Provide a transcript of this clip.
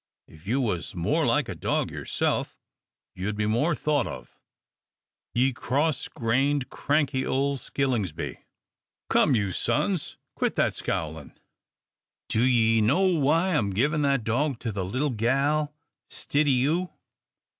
If you was more like a dog yerself, ye'd be more thought of, ye cross grained, cranky ole skillingsby' come you, sons, quit that scowlin'. Do ye know why I'm givin' that dog to the little gal stid o' you?"